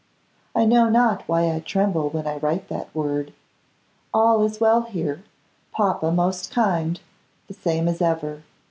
I know not why I tremble when I write that word. All is well here, papa most kind, the same as ever.